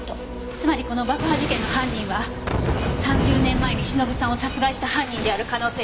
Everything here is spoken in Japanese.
つまりこの爆破事件の犯人は３０年前に忍さんを殺害した犯人である可能性が高い。